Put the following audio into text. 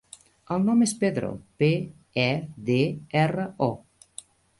El nom és Pedro: pe, e, de, erra, o.